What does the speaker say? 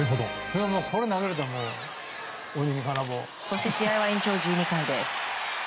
そして試合は延長１２回です。